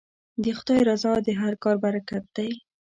د خدای رضا د هر کار برکت دی.